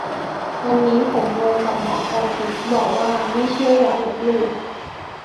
วันนี้ผม งงกับ หมอพรทิพย์ บอกว่า "ไม่เชื่ออย่าลบหลู่" !